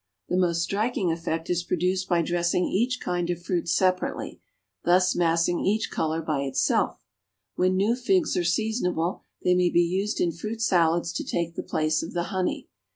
The most striking effect is produced by dressing each kind of fruit separately, thus massing each color by itself. When new figs are seasonable, they may be used in fruit salads to take the place of the honey.